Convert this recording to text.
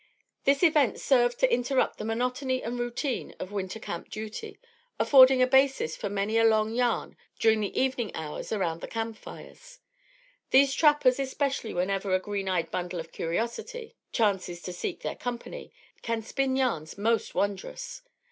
This event served to interrupt the monotony and routine of winter camp duty, affording a basis for many a long yarn during the evening hours around the camp fires. These trappers, especially whenever a green eyed bundle of curiosity chances to seek their company, can spin yarns most wondrous.